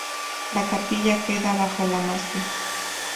La capilla queda bajo la masía.